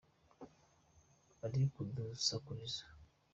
Uri kudusakuriza.